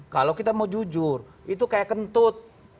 kalau kita mau jujur itu kayak kentut